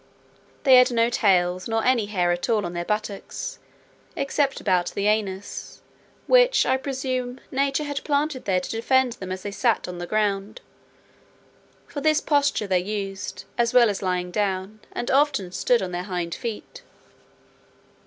They had no tails, nor any hair at all on their buttocks, except about the anus, which, I presume, nature had placed there to defend them as they sat on the ground, for this posture they used, as well as lying down, and often stood on their hind feet.